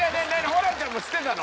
ホランちゃんも知ってたの？